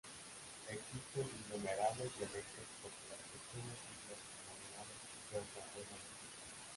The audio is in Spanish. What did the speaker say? Existen innumerables dialectos porque las pequeñas islas o comunidades desarrollan los suyos.